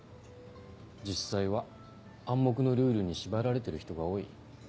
実際は暗黙のルールに縛られてる人が多い。